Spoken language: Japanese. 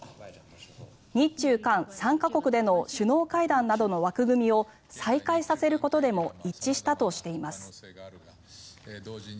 日中韓３か国での首脳会談などの枠組みを再開させることでも一致したとしています。